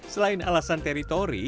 selain alasan teritori